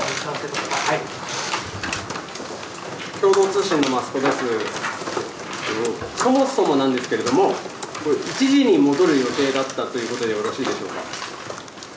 そもそもなんですけれども、１時に戻る予定だったということでよろしいでしょうか。